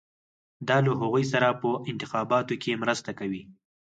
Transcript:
دا له هغوی سره په انتخاباتو کې مرسته کوي.